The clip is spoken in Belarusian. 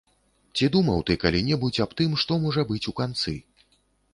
Ці думаў ты калі-небудзь аб тым, што можа быць у канцы?